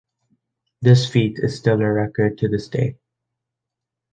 This feat is still a record to this day.